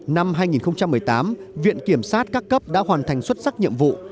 năm hai nghìn một mươi tám viện kiểm sát các cấp đã hoàn thành xuất sắc nhiệm vụ